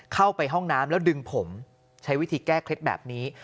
เข้าไปห้องน้ำแล้วดึงผมใช้วิธีแก้เคล็ดแบบนี้